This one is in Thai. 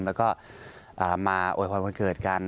แล้วก็มาอวยพรวันเกิดกัน